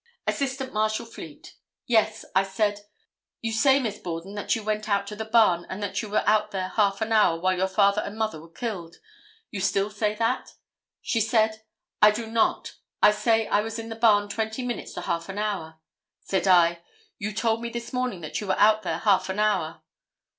Assistant Marshal Fleet—"Yes, I said: 'You say, Miss Borden, that you went out to the barn, and that you were out there half an hour, while your father and mother were killed. You still say that?' She said: 'I do not. I say I was in the barn twenty minutes to half an hour.' Said I 'You told me this morning that you were out there half an hour.